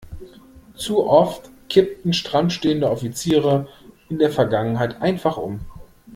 Zu oft kippten stramm stehende Offiziere in der Vergangenheit einfach um.